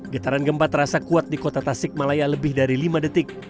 getaran gempa terasa kuat di kota tasik malaya lebih dari lima detik